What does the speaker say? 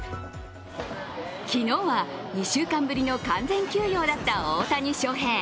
昨日は２週間ぶりの完全休養だった大谷翔平。